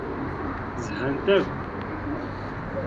Zhant akk.